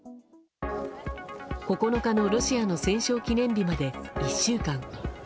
９日のロシアの戦勝記念日まで１週間。